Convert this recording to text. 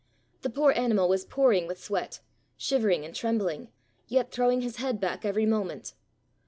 The poor animal was pouring with sweat, shivering and trembling, yet throwing his head back every moment.